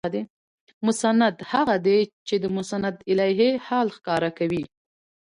مسند هغه دئ، چي چي د مسندالیه حال ښکاره کوي.